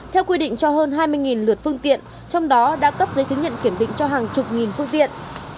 theo quy định cho hơn hai mươi lượt phương tiện trong đó đã cấp giấy chứng nhận kiểm định cho hàng chục nghìn phương tiện